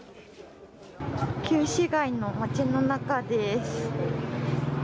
旧市街の街の中です。